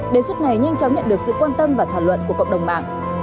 đề xuất này nhanh chóng nhận được sự quan tâm và thảo luận của cộng đồng mạng